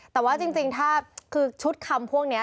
แต่ว่าจริงถ้าคือชุดคำพวกนี้